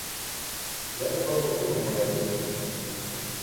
Я тебе покину, моя дитино!